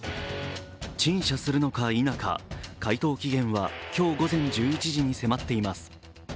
陳謝するのか否か、回答期限は今日午前１１時に迫っています。